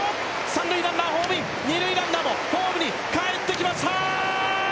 三塁ランナーホームイン、二塁ランナーもホームに帰ってきました！